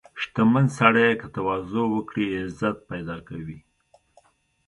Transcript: • شتمن سړی که تواضع وکړي، عزت پیدا کوي.